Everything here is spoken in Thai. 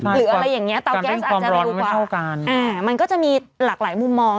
หรืออะไรอย่างเงี้เตาแก๊สอาจจะเร็วกว่ามันก็จะมีหลากหลายมุมมอง